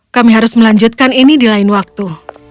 kami harus melanjutkan ini di lain waktu